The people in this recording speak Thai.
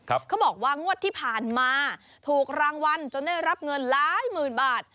เขาบอกว่างวดที่ผ่านมาถูกรางวัลจนได้รับเงินหลายหมื่นบาท